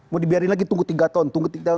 mau dibiarin lagi tunggu tiga tahun tunggu tiga tahun